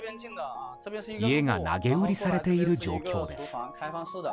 家が投げ売りされている状況です。